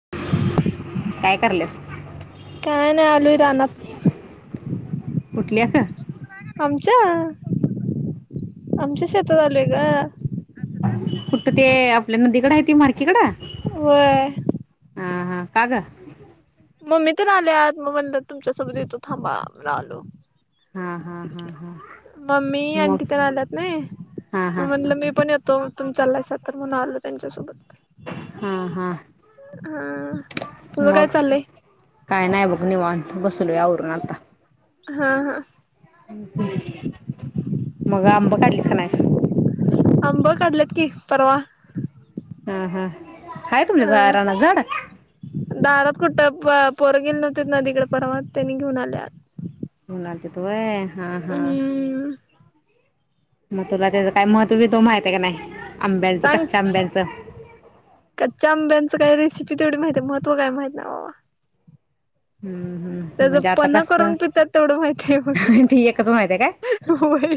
[inaudible] काय कराल्यास? काय नाय आलोय रानात. कुठल्या [unintelligible] आमच्या, आमच्या शेतात आलोय ग. कुठ ते, आपल्या नदीकड हाय ते मार् व्हय हा हा काग? ममी तर आल्यात, मग् तुमच्यासोबत येथो थांबा [unintelligible] आलो. हा हा हा हा मम्मी, मग अंटी पण आल्यात नाही हा हा म्हणलं, मी पण य तो तुम्हीं चालायसां तर म्हणून आलो त्यांच्यासोबत. हा हा हा. तुझं मग काय चाललंय? काय नाही बघ निवा वांत बस लोय आवरून आता. हा हा [inaudible] मग आंब काढलीस का नाहीस. आंब काढलेत की, परवा. हा, हा. हाय तुमच्या जा हा रानात झाड? दारात कुठं प पोरं गेले नव्हती नदीकडे परवा, त्यांनी घेऊन आल्यात. म्हणालतीत वय. हा, हा. हम्म मग तुला त्याज काय महत्व बित्व माहितय का नाही. आंब्यांचं सांग कच्च्या आंब्यांचं. च काय रेसिपी तेवढी माहितीे, महत्व काय माहित नाहीं बावा. हम्म हम्म म्हणजे आता पन्ह कस करून पितात तेवढं माहितीय मग हह ते एकच माहिती काय होय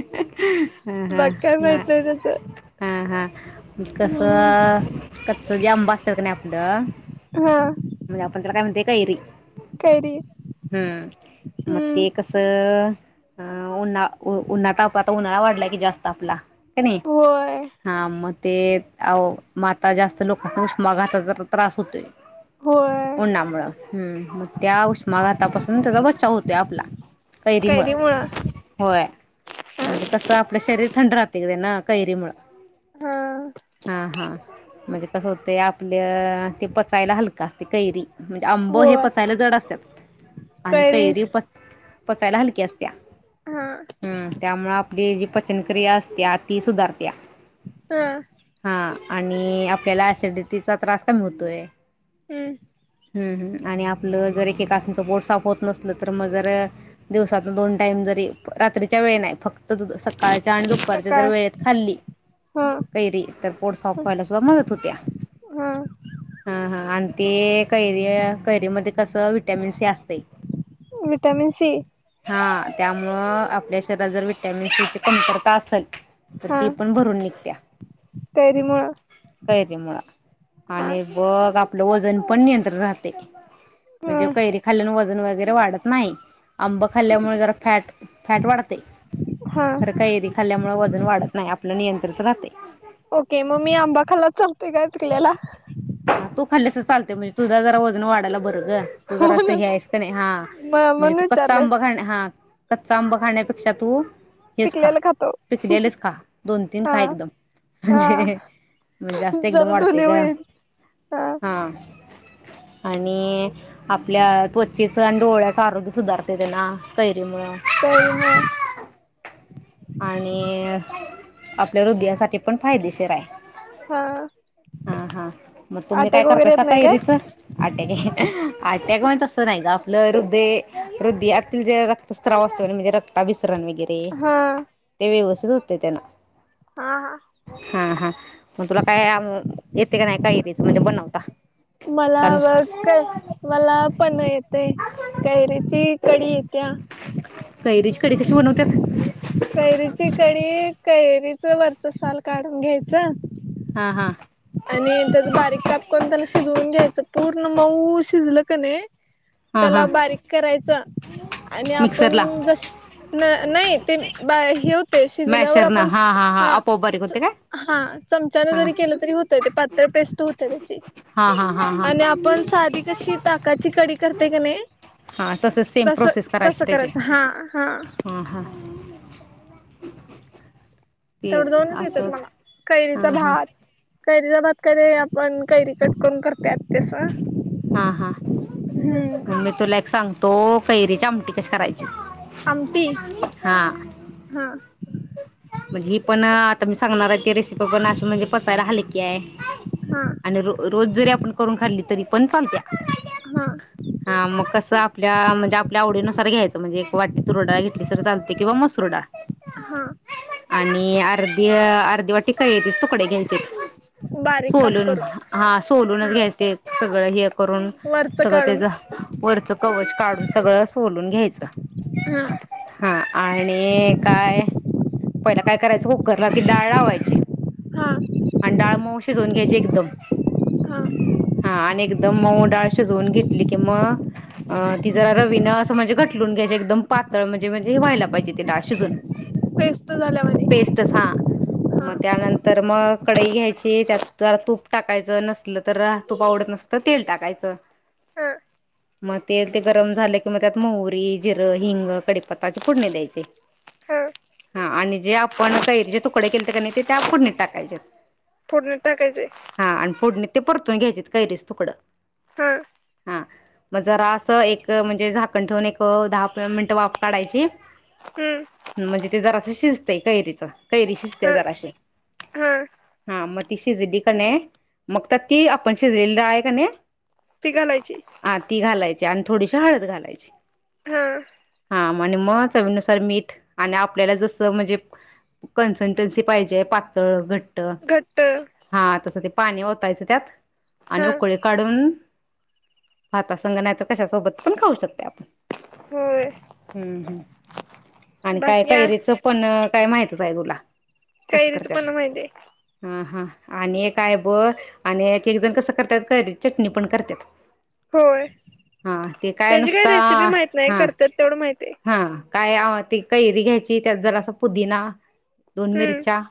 ह, ह, बाकी काय माहित नाही त्याच ह, ह, कस. हम्म सगळी आंब असत्यात कणी आप आपल हा म्हणजे आपण त्याला काय म्हणतोय. कैरी कैरी हम् मग हम्म ते कस अं उन्हा उन्हात तापला उन्हाळा वाढलाय की जास्त आपला का नई होय हा मग. ते आओ माता जास्त लोक उष्माघाताचा जात त्रास होतोय. होय उन्हामुळ हम् मग त्या उष्माघातापासून त्याचा बचाव होतोय आपला कैरी मूळ होय म्हणजे कस आपलं शरीर थंड राहते. [unintelligible] काैरी मुळ. हा. म्हणजे कसं होतं आपलं ते पचायला हलक असते कैरी. आंब हे होय पचायला जड असत्यात आणि कैरीस कैरी पच पचायला हलक्या असतिया हा हम् त्यामुळ आपली जी पचनक्रिया असत्या ती सुधारत्या हा हा आणि आपल्याला ऍसिडिटी चा त्रास कमी होतोय. हम्म हम् हम्म आणि आपलं जर ऐक एकाच पोट साफ होत नसलं तर मग जर दिवसातून दोन टाइम जरी रात्रीच्या वेळे नाही फक्त सकाळच्या आणि दुपारच्या जर सकाळ वेळेत खाल्ली हा कैरी तर पोटसाफ व्हायला सुद्धा मदत होत्या हा हा हा आणि ते कैरी या कैरी मध्ये कस विटमन सी असतय विटॅमिन सी हा त्यामुळं आपल्या शरीरात जर विटॅमिन सीची कमतरता असल तर हा ती पण भरून निघत्या कैरी मुळ कैरीे मुळ हा आणि बघ आप वजन पण नियं त राहते ह म्हणजे कैरी खाल वजन वगैरे, वाढत नाही. आंब खाल्ल्यामुळे जरा फॅट फॅट वाढते हा खरं कैरी खाल्ल्यामुळे वजन वाढत नाही आपलं नियंत्र [unintelligible] ओके, मग मी आंबाखाला चालतोय काय पिकलेला? हा तू खाल्लसं चालते म्हणजे तुझा जरा वजन वाढायला बरं ग, तू जर असं म्हणून हे आहेस का नाही? हा म म्हणजे म्हणून तू कच्चा विचारलं आंब खा हा. कच्चा आंब खाण्यापेक्षा तू हेच खा, पिकलेला खातो पिकलेललच खा, दोन तीन हा खा एकदम हा म्हणजे म्हण जास्त एकदम जरा ढोली वाढतय गं. होईल हा. आणि आपल्या त्वचेच आणि डोळ्याच आरोग्य सुधारतय तेन कै री मूळ तरी मग [unintelligible] आणि आपल्या हृदयासाठी पण फायदेशीर आय. हा. हा हा मग तुम्ही अटॅक काय वगैरे करतासा येत नाही कैरीच काय [unintelligible] टॅक अटॅक म्हण तसं नाही गं आपलं हृदय हृदयातील जे रक्तस्त्राव असतो [unintelligible] म्हणजे रक्ताभिस् त्रण वगैरे हा ते व्यवस् [unintelligible] तेन हा हा. मग तुला काय [unintelligible] येतय कनाय कैरीच म [unintelligible] बनवता मला का बग नुसतं कै मला पण येतय कैरीची कडी येत्या. कैरीच कैरीची कडी कैरी च वरच साल काढून घ्यायचं. हा हा आणि त्येज बारीक काप कोण त्याला शिजवून घ्यायचं. पूर्ण मऊ शिजलं कणी हा हा त्याला बारीक करायचं आणि मिक्सरला आपण जश न नई ते बा हे होतय शिजल्यावर, मॅशरन आपण हा हा आपोआप बारीक च होते काय? हा चमच्यान हा जरी केलं तरी होतंय ते पातळ पेस्ट हुत्या त्याची हा हा हा हा आणि आपण साधी कशी ताकाची कडी करतय कणी, हा तसंच सेम तस प्रोसेस करायची तस त्याची करायचं हा हा तेवढं तेच दोनच येत्यात असं मला, हा कैरीचा हा भात कैरीचा भात कणी आपण कैरी कट करून करत्यात तसं हा हा ह मी तुला एक सांगतो. कैरीची आमटी कशी करायची? आमटी हा हा म्हणजी ही पण आता मी सांगणाराय, ती रेसिपी पण अशी म्हणजे पचायला हलकी आय. काय हा आणि रो रोज जरी आपण करून खाल्ली तरी पण चालत्या, हा [unintelligible] हा मग कसं आपल्या म्हणजे आपल्या आवडीनुसार घ्यायचं म्हणजे एक वाटी तुर डाळ घेतलीस तर चालते किंवा मसूर डाळ हां आणि अर्धी अर्धी वाटी कैरी चे तुकडे घ्यायची बारीक काप सोलून करून हा सोलूनच हा घ्यायचे सगळं हे करून वरच सगळ त काढून त्याझ वरचं कवच काढून सगळं सोलून घ्यायचं हा हा आणि काय पहिला काय करायचं कुकरला ती डाळ लावायची हा आणि डाळ मऊ शिजवून घ्यायच जे एकदम हां हा आणि एकदम मऊ डाळ शिजवून घेतली की मग अ हां ती जरा रवीन असं म्हणजे घटलून घ्यायची एकदम पातळ म्हणजे म्हणजे हे व्हायला पाहिजे ते डाळ शिजून बैस पेस्टच हां हा. मग त्यानं तर मग कडई घ्यायची त्यात जरा तूप टाकायचं नसल तर मग तूप आवडत नसलं तर तेल टाकायच हा मग तेल ते गरम झालं कि मग त्यात मोहरी जिरं हिंग कढीपत्त्याची फोडणी दयायची हा हां आणि जे आपण कैरी चे तुकडे केलते कणी ते त्या फोडणीत टाकायचे फोडणीत टाकायचंय हा आणि फोडणी ते परतून घ्यायचेत कैरीची तुकडं हां हा मग जरा अस एक म्हणजे झाकण ठेवून एक दहा मिनट वाफ काढायची हम्म म्हणजे ती जराशी शिकतय कैरीच कैरी शिजतेय हा जराशी हा हा मग ती शिजली की नाय मग ती आपण शिजलेली डाळे की नाई ते ती घालायची हा ती घालायची आण थोडीशी हळद घालायची हा ह म चवीनुसार मीठ आणि आप आपल्याला जस म्हणजे कन्सटन्सी पाहिजे पातळ घट्ट घट्ट हा तस ते पाणी ओतायचं त्यात आणि हा उकळी काढून भातासंग नाही त कशा सोबत पण खाऊ शकते आपण होय हम् हम्म आणि काय बाकी आ काैरीचं पण काय माहितच आहे तुला कसं काैरीच करतात पण माहितीये हा हा आणि एक आय ब आणि एक एक जण कसं करत्यात करी चटणी पण करत्यात होय त्याची काय नुसता रेसिपी माहित नाही हा करत्यात तेवढं माहते हा काय आव ती कैरी घ्यायची त्यात जरासा पुदीना दोन मिरच्या हम्म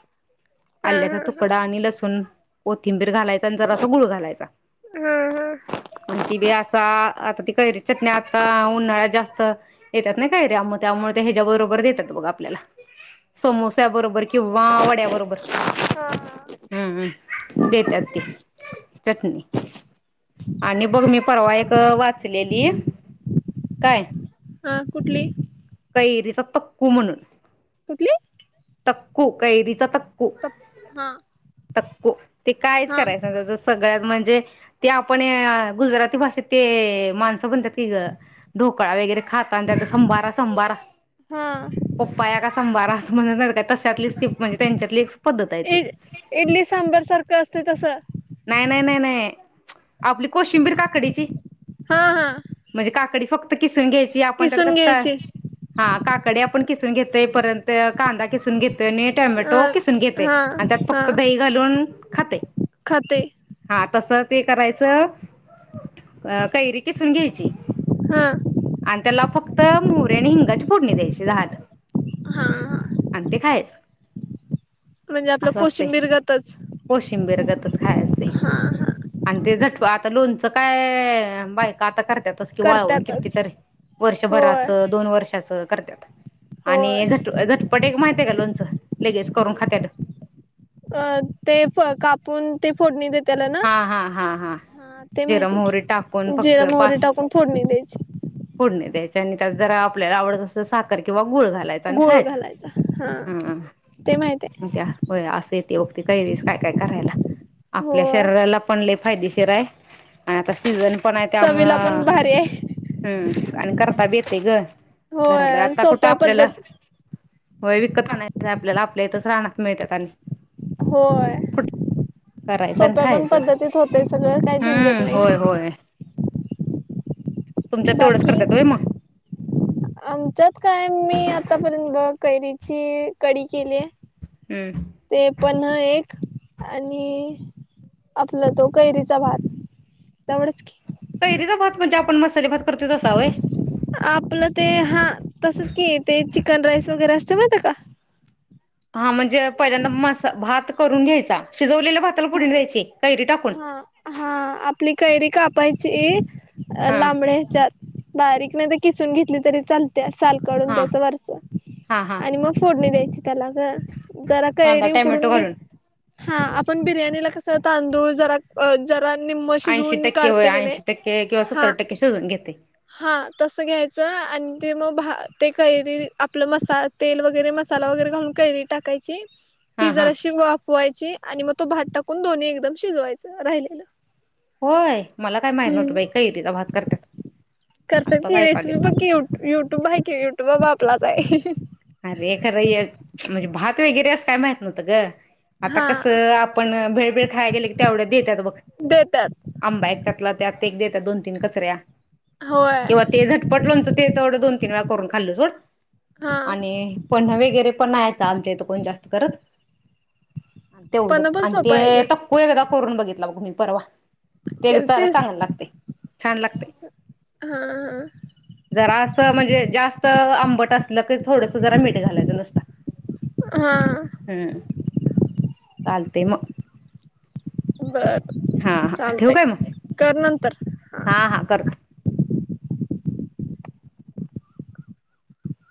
हा आल्याचा हा तुकडा आणि लसूण कोथिंबीर घालायचा ज असा गुळ घालायचा हा हा आणि ते बी असा आता ती कैरीची चटण्या आता उन्हाळ्यात जास्त येतात ना कैऱ्या त्यामुळे ते ह्याच्या् बरोबर देतात बग आपल्याला समोस्याबरोबर किंवा वड्या बरोबर हा हम्म हम्म देतात ते चटनी आणि बघ मी परवा एक वाच ले लि काय ह कुठली? कैरीचा [unintelligible] कुठली? तकू कैरीचा तक कू तप हा तकू ते कायच हा करायचं [unintelligible] सगळ्यात ते आपण गुजराती भाषेत ते माणसं म्हणतात. ती ग ढोकळा वगैरे खाताना त्यात संभारा संभारा हा पप्पा या का संभारा. [unintelligible] तशातलीच ती म्हणजे त्यांच्यातलीच पद्धत हाय इ ती इडली सांबर सारखं असते तसं नाय नाय. हम्म. आपली कोशिंबीर काकडीची हा हा म्हणजे काकडी फक्त किसून घ्यायची. ची आपण तर किसून कसं काय घ्यायची हा काकडे आपण किसून घेतोय परत कांदा. किसून घेतोय. आणि अ टमॅटो किसून घेतोय हा आणि त्यात हा फक्त दही घालून खातय. खाते हा तस. ते करायचं अ कैरी किसून घ्यायची. हा आणि त्याला फक्त मोहरी आणि हिंगाची फोडणी द्यायची झालं. हा हा. आणि ते खायाच. म्हणजे आपलं अस असतयं कोशिंबीरगतच कोशिंबिरगतच खायाच ते आणि ते झट आता लोणचं काय बायका आता कर करत्यातचं कि वाळून किती करतातच तरी वर्षभराच होय दोन वर्षाच करत्यात. होय आणि झट झट माहितीहाय का लोणचं लगेच करून खात्यात. अ ते फ कापून ते फोडणी देत. त्याला ना. हा हा हा हा ते जिर माहिती आहे मोहरी टाकून की फक् जीर मोहरी पाच टाकून फोडणी द्यायची. त्यानी त्यात जरा आपल्याला आवडत अस तर साखर किंवा गुळ घालायचे. गुळ घालायचा. हा, ते माहित आहे. ते बघती कैरीस काय काय करायला. आपल्या होय शरीराला पण लेप फायदेशीर आहे आणि आता सीझन पण आहे, चवीला त्यामुळं पण भारी आहे हम्म आणि करता बी येतयं गं. होय, सोप्या पद्धत व्हय विकत आणायच नाय आपल्याला, आपल्या इथंच रानात मिळतात आणि होय कुठ करायचं आणि सोप्या पण खायचं पद्धतीत होतंय सगळं, काही झंजट हम्म नाही. होय होय तुमच्या तेवढंच बाकी करतात होय मग आमच्यात काय मी आतापर्यंत बघ कैरीची कडी केलीये. हम्म. पन्हं एक आणि आपला तो कैरीचा भात, तेवढंच की. कैरीचा भात म्हणजे आपण मसाले भात करतोय तसा होय आपलं ते हा तसंच की ते चिक कन राईस वगैरे असतंय माहिती आहे का? हा म्हणजे पहिल्यांदा मसा भात करून घ्यायचा. शिजवलेल्या भाताला फोडणी द्यायची, कैरी टाकून? हा हा आपली कैरी कापायची अ हा लांबड्या हेच्यात बारीक नाहीत किसुन घेतली तरी चाल त्या. साल काढून हा त्याच वरचं हा हा आणि मग फोडणी द्यायची. त्याला ग जरा कांदा कैरी टॅमॅटो उकडून घे घालून हा अप बिर्याणीला कसा तांदूळ जरा अ जर र निम्म ऐंशी शिजवून टक्के होय काढते का नाही, ऐंशी टक्के किंवा हा सत्तर टक्के शिजवून घेते हा तसं घ्यायचं आणि ते मग भा ते कैरी आपलं मसा तेल वगैरे, मसाला वगैरे घालून कैरी टाकायची हा ती हा जराशी वाफवायची आणि मग तो भात टाकून दोन्ही एकदम शिजवायचं राहिलेलं. होय मला काय माहित नव्हतं हम्म. बाई कैरीचा भात करत्यात करतात आत्ताच ती ऐकालोय रेसिपी बघ की यु युट्युब आहे कि युट्यूबा बाप. तुलाच हाय. अरे खरं हे म्हणजे भात त वगैरे असं काय माहित नव्हतं गं. आता हा कसं आपण भेळबीळ खायला गेलकी तेवढ देत्यात बघ. देतात आंबा एक त्यातला त्यात एक देतात दोन तीन कचऱ्या होय किंवा ते झटपट लोणचं ते तेवढ दोन तीन वेळा करून खाल्ल सोड हा आणि पन्हं वगैरे पण आहेत. आमच्या हीत कोण जास्त करत. पण तेवढंच पण आणि सोपं आहे ते ग तक्कू एकदा करून बघितलं. [unintelligible] मी परवा ते [unintelligible] केलतीस चांगल लागतय छान लागतय हा जरास म्हणजे जास्त आ पट असलंकीच थोडस जरा मीठ घालायचं नुसता हा हा ह चालतय म बर हा ठेवू चालतय काय मग? कर नंतर हा हा करतो.